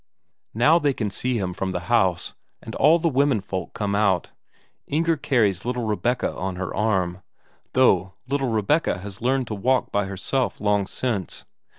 Now they can see him from the house, and all the womenfolk come out; Inger carries little Rebecca on her arm, though little Rebecca has learned to walk by herself long since.